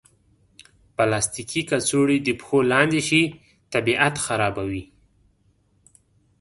پلاستيکي کڅوړې د پښو لاندې شي، طبیعت خرابوي.